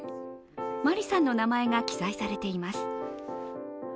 マリさんの名前が記載されています。